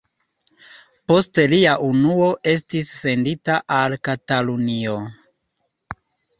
Poste lia unuo estis sendita al Katalunio.